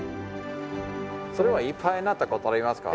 それはいっぱいになったことはありますか？